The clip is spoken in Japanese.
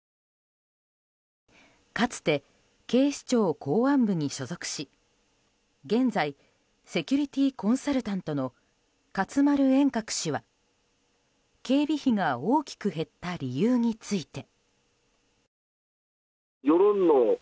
かつて警視庁公安部に所属し現在セキュリティーコンサルタントの勝丸円覚氏は、警備費が大きく減った理由について。